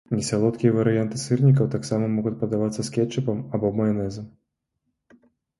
Несалодкія варыянты сырнікаў таксама могуць падавацца з кетчупам або маянэзам.